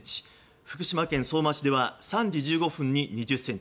福島県相馬市では３時１５分に２０ｃｍ